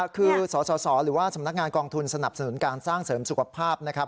คือสสหรือว่าสำนักงานกองทุนสนับสนุนการสร้างเสริมสุขภาพนะครับ